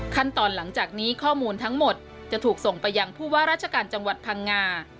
หลังจากนี้ข้อมูลทั้งหมดจะถูกส่งไปยังผู้ว่าราชการจังหวัดพังงา